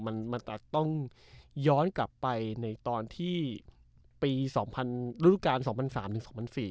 มันมันต้องย้อนกลับไปในตอนที่ปีสองพันรูปการณ์สองพันสามถึงสองพันสี่